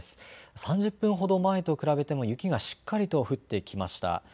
３０分ほど前と比べても雪がしっかりと降ってきました。